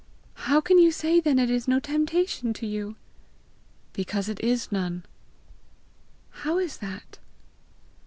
"How can you say then it is no temptation to you?" "Because it is none." "How is that?"